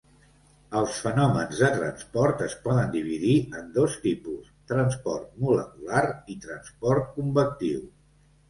Els fenòmens de transport es poden dividir en dos tipus: transport molecular i transport convectiu.